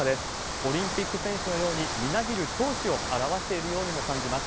オリンピック選手のように、みなぎる闘志を表しているようにも感じます。